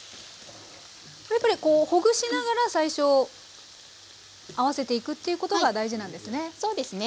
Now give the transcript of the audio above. これやっぱりほぐしながら最初合わせていくっていうことが大事なんですね。